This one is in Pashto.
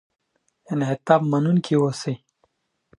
انعطاف منونکي اوسئ.